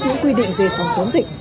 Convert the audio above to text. những quy định về phòng chống dịch